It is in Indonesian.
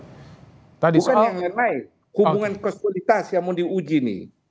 bukan yang yang lain hubungan kosualitas yang mau diuji ini